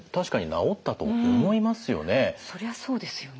そりゃそうですよね。